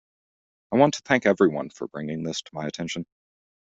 I want to thank everyone for bringing this to my attention.